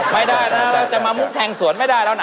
ไม่ได้นะเราจะมามุกแทงสวนไม่ได้แล้วนะ